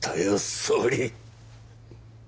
総理！